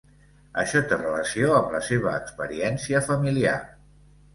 Això té relació amb la seva experiència familiar.